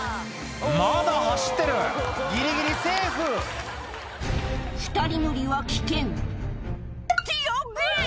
まだ走ってるギリギリセーフ２人乗りは危険「ってヤッベェ！